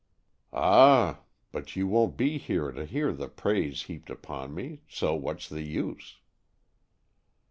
"Ah, but you won't be here to hear the praise heaped upon me, so what's the use?"